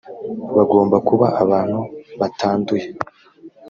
bagomba kuba abantu batanduye